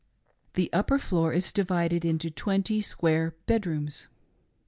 The upper floor is divided into twenty square bedrooms.